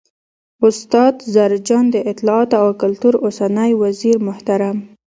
، استاد زرجان، د اطلاعات او کلتور اوسنی وزیرمحترم